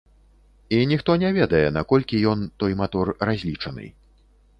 І ніхто не ведае, наколькі ён, той матор, разлічаны.